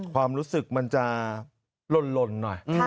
ความรู้สึกมันจะหล่นหน่อย